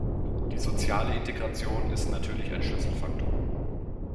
Die soziale Integration ist natürlich ein Schlüsselfaktor.